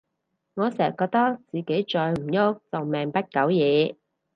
我成日覺得自己再唔郁就命不久矣